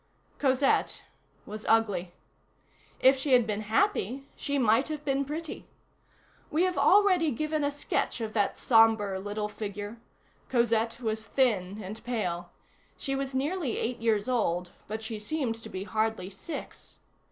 Cosette was ugly. If she had been happy, she might have been pretty. We have already given a sketch of that sombre little figure. Cosette was thin and pale; she was nearly eight years old, but she seemed to be hardly six.